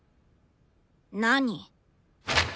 何？